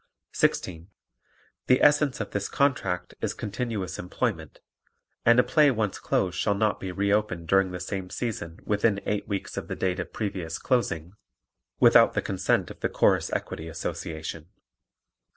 16. The essence of this contract is continuous employment and a play once closed shall not be re opened during the same season within eight weeks of the date of previous closing, without the consent of the Chorus Equity Association.